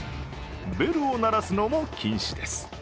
ベルを鳴らすのも禁止です。